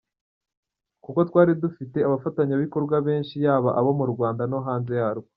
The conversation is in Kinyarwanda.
Kuko twari dufite abafatanyabikorwa benshi yaba abo mu Rwanda no hanze yarwo.